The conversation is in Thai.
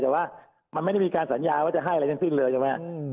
แต่ว่ามันไม่ได้มีการสัญญาว่าจะให้อะไรทั้งสิ้นเลยใช่ไหม